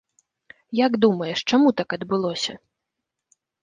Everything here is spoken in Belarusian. Як думаеш, чаму так адбылося?